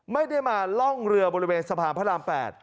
ไม่ได้มาล่องเรือบริเวณสะพานพระราม๘